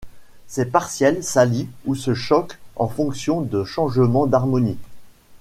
Ces partiels s'allient ou se choquent en fonction de changements d'harmonie.